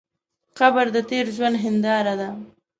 قبر د تېر ژوند هنداره ده.